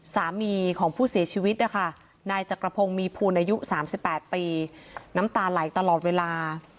สามีของผู้เสียชีวิตนะคะนายจักรพงศ์มีภูลอายุ๓๘ปีน้ำตาไหลตลอดเวลา